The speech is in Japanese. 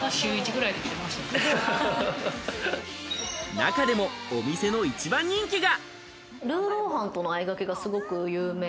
中でも、お店一番人気が。